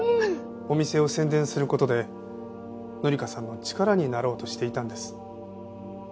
お店を宣伝する事で紀香さんの力になろうとしていたんです。